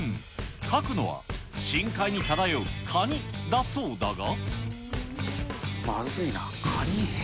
描くのは深海に漂うカニだそうだまずいな。